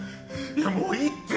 いやもういいって！